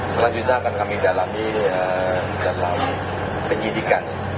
selanjutnya akan kami dalami dalam penyidikan